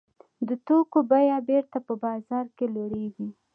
د توکو بیه بېرته په بازار کې لوړېږي